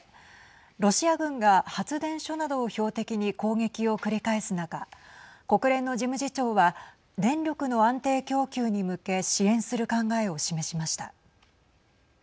ロシア軍が発電所などを標的に攻撃を繰り返す中国連の事務次長は電力の安定供給に向け支援する考えを示しました。